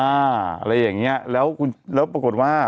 อะไรอย่างนี้แล้วปรากฏว่า